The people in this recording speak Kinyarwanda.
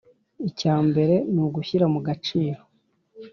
Icyambere nugushyira mugaciro